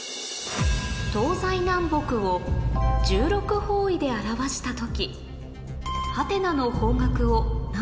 東西南北を１６方位で表した時